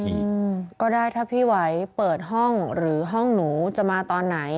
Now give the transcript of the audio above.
อืมก็ได้ถ้าพี่ไหวเปิดห้องหรือห้องหนูจะมาตอนไหน